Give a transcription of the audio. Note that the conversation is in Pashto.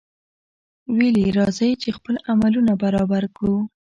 ویل یې راځئ! چې خپل عملونه برابر کړو.